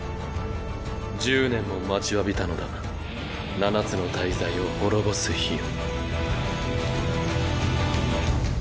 １０年も待ちわびたのだ七つの大罪を滅ぼす日を。